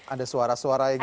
ada suara suara gitu ya